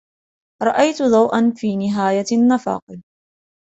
رأيت ضوءا في نهاية النفق.